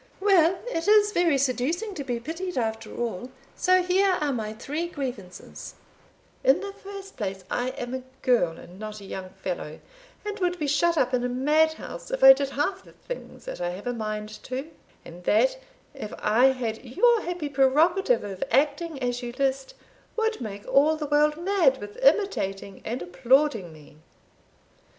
"Well, it is very seducing to be pitied, after all; so here are my three grievances: In the first place, I am a girl, and not a young fellow, and would be shut up in a mad house if I did half the things that I have a mind to; and that, if I had your happy prerogative of acting as you list, would make all the world mad with imitating and applauding me."